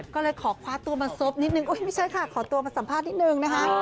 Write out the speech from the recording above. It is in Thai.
ก็เลยขอคว้าตัวมาซบนิดนึงไม่ใช่ค่ะขอตัวมาสัมภาษณ์นิดนึงนะคะ